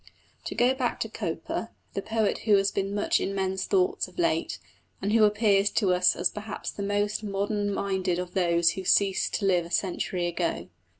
To go back to Cowper the poet who has been much in men's thoughts of late, and who appears to us as perhaps the most modern minded of those who ceased to live a century ago.